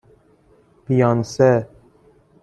بیانسه